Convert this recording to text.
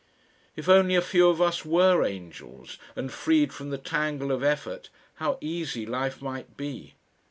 If only a few of us WERE angels and freed from the tangle of effort, how easy life might be!